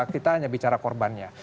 kita hanya bicara korbannya